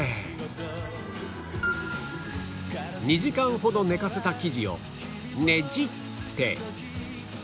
２時間ほど寝かせた生地をねじって